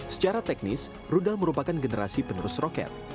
secara teknis rudal merupakan generasi penerus roket